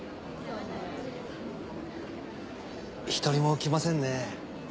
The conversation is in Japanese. １人も来ませんね。